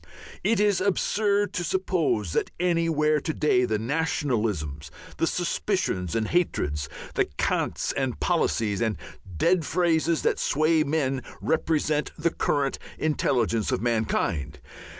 It is absurd to suppose that anywhere to day the nationalisms, the suspicions and hatreds, the cants and policies, and dead phrases that sway men represent the current intelligence of mankind.